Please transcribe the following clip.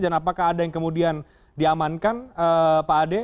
dan apakah ada yang kemudian diamankan pak ade